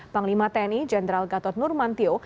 panglima tni jenderal gatot nurmantio